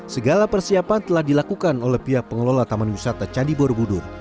segala persiapan telah dilakukan oleh pihak pengelola taman wisata candi borobudur